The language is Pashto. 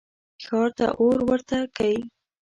ښار ته اور ورته کئ.